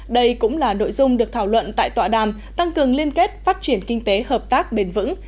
đây cũng là nội dung được thảo luận tại tọa đàm tăng cường liên kết phát triển kinh tế hợp tác bền vững